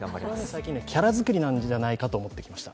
最近、キャラ作りなんじゃないかと思ってきました。